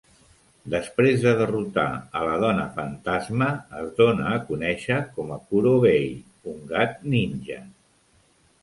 Després de derrotar a la dona fantasma, es dóna a conèixer com a Kurobei, un gat ninja.